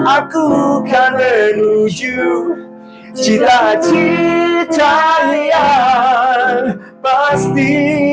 aku kan menuju cita cita yang pasti